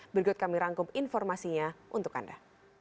berikut kami rangkum informasinya untuk anda